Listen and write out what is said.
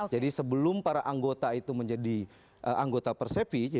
jadi sebelum para anggota itu menjadi anggota persepi